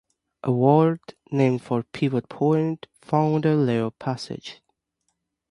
Award, named for Pivot Point founder Leo Passage.